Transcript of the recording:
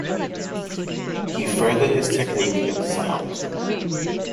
He furthered his technique and sound.